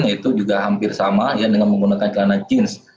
yaitu juga hampir sama dengan menggunakan celana jeans